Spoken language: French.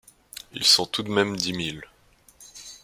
Ils sont tout de même dix mille.